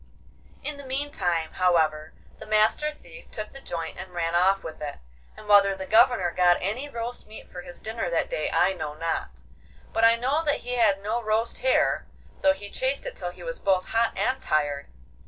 In the meantime, however, the Master Thief took the joint and ran off with it, and whether the Governor got any roast meat for his dinner that day I know not, but I know that he had no roast hare, though he chased it till he was both hot and tired.